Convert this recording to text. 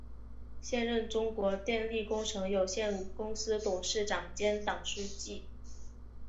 现任中国电力工程有限公司董事长兼党书记。